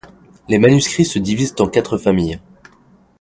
Les manuscrits se divisent en quatre familles.